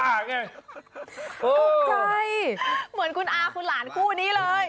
ตกใจเหมือนคุณอาคุณหลานคู่นี้เลย